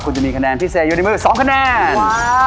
คุณจะมีคะแนนพิเศษอยู่ในมือ๒คะแนน